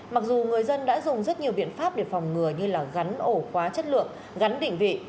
mặc dù người dân đã dùng rất nhiều biện pháp để phòng ngừa như gắn ổ khóa chất lượng gắn định vị